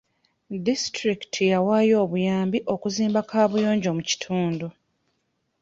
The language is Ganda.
Disitulikiti yawaayo obuyambi okuzimba kaabuyonjo mu kitundu.